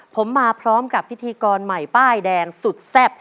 ผมมาพร้อมกับพิธีกรใหม่ป้ายแดงสุดแซ่บ